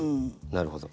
なるほど。